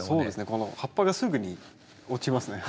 この葉っぱがすぐに落ちますね。